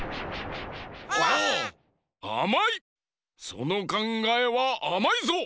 そのかんがえはあまいぞ！